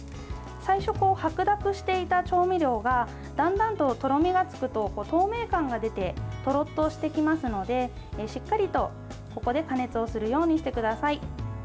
最初、白濁していた調味料がだんだんと、とろみがつくと透明感が出てとろっとしてきますのでしっかりと、ここで加熱するようにしてください。